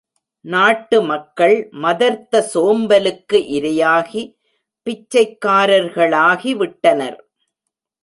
நாட்டு மக்கள் மதர்த்த சோம்பலுக்கு இரையாகி பிச்சைக்காரர்களாகிவிட்டனர்..